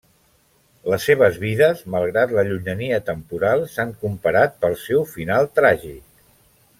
Les seves vides, malgrat la llunyania temporal, s'han comparat pel seu final tràgic.